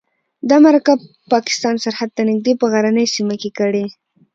دا مرکه پاکستان سرحد ته نږدې په غرنۍ سیمه کې کړې.